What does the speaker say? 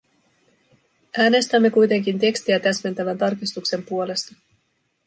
Äänestämme kuitenkin tekstiä täsmentävän tarkistuksen puolesta.